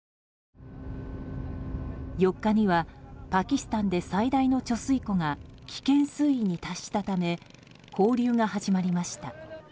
４日にはパキスタンで最大の貯水湖が危険水位に達したため放流が始まりました。